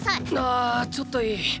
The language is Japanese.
あーちょっといい？